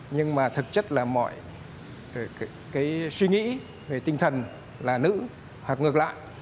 nhưng mà thực chất là mọi suy nghĩ về tinh thần là nữ hoặc ngược lại